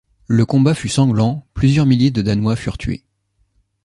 Le combat fut sanglant, plusieurs milliers de Danois furent tués.